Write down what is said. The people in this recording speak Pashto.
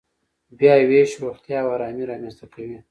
بیاوېش روغتیا او ارامي رامنځته کوي.